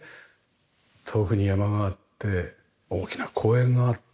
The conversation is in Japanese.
遠くに山があって大きな公園があって。